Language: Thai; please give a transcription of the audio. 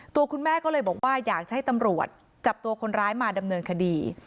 ตัวคุณแม่ก็เลยบอกว่าอยากจะให้ตำรวจจับตัวคนร้ายมาดำเนินคดี